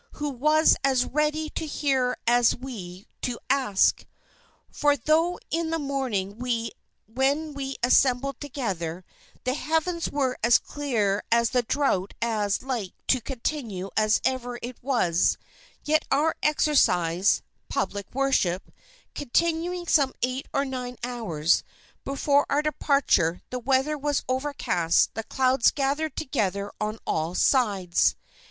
who was as ready to hear as we to ask! "For though in the morning when we assembled together, the heavens were as clear and the drought as like to continue as ever it was, yet our Exercise (public worship) continuing some eight or nine hours, before our departure the weather was overcast, the clouds gathered together on all sides.